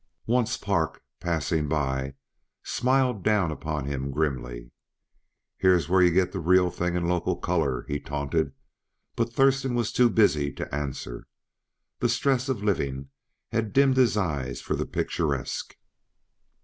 Once Park, passing by, smiled down upon him grimly. "Here's where yuh get the real thing in local color," he taunted, but Thurston was too busy to answer. The stress of living had dimmed his eye for the picturesque.